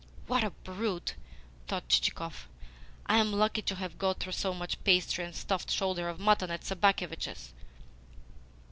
"What a brute!" thought Chichikov. "I am lucky to have got through so much pastry and stuffed shoulder of mutton at Sobakevitch's!"